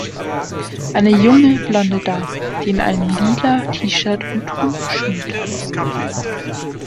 Eine junge blonde Dame, die in einem lila T-Shirt und Turnschuhen tanzt.